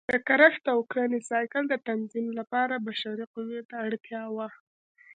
د کښت او کرنې سایکل د تنظیم لپاره بشري قوې ته اړتیا وه